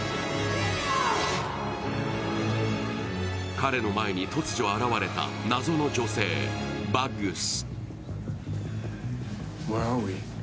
彼の前に突如現れた謎の女性、バッグス。